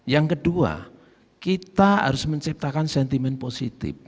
yang kedua kita harus menciptakan sentimen positif